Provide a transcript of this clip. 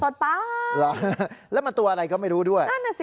สดป้าแล้วมันตัวอะไรก็ไม่รู้ด้วย